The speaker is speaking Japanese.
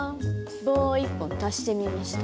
棒を１本足してみました。